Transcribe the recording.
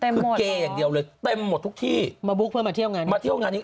เต็มหมดเหรอคือเกย์อย่างเดียวเลยเต็มหมดทุกที่มาบุ๊คเพื่อมาเที่ยวงานนี้